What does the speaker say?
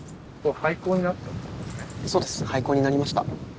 廃校になりました。